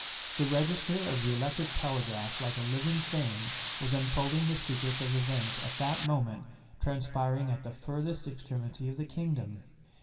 The register of the electric telegraph like a living thing was unfolding the secrets of events at that moment transpiring at the furthest extremity of the Kingdom!